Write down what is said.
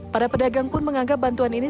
para pedagang pun menganggap bantuan ini